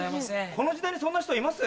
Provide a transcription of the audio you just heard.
この時代にそんな人います？